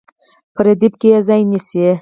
په ردیف کې یې ځای نیسي.